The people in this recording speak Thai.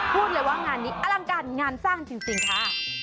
พูดเลยว่างานนี้อลังการงานสร้างจริงค่ะ